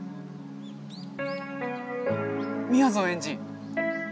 みやぞんエンジ。